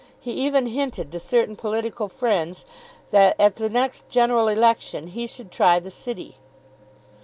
He even hinted to certain political friends that at the next general election he should try the City.